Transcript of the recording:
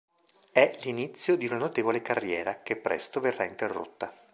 È l'inizio di una notevole carriera, che presto verrà interrotta.